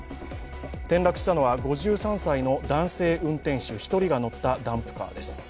転落したのは５３歳の男性運転手１人が乗ったダンプカーです。